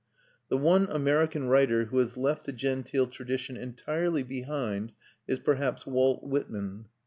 The one American writer who has left the genteel tradition entirely behind is perhaps Walt Whitman.